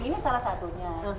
ini salah satunya